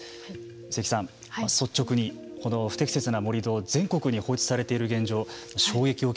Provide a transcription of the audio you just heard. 清木さん、率直に不適切な盛り土全国に放置されている現状